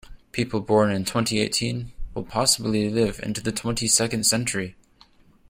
People born in twenty-eighteen will possibly live into the twenty-second century.